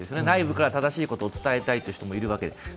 内部から正しいことを伝えたいという人もいるわけで。